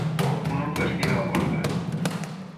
Mon oncle estira la porta.